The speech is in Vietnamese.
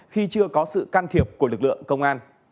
khi chưa có sự can thiệp của lực lượng công an